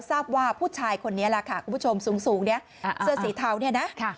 ทราบว่าผู้ชายคนนี้ล่ะค่ะคุณผู้ชมสูงเนี่ยเสื้อสีเทาเนี่ยนะ